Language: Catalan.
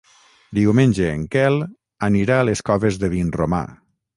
Diumenge en Quel anirà a les Coves de Vinromà.